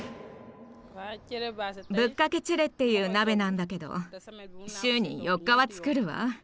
「ぶっかけチェレ」っていう鍋なんだけど週に４日は作るわ。